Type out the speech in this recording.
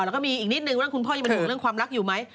แล้วก็มีอีกนิดนึงว่าคุณพ่อยังเป็นห่วงเรื่องความรักอยู่ไหม